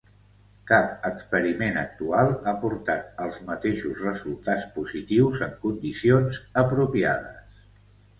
Cap experiment actual ha portat als mateixos resultats positius en condicions apropiades.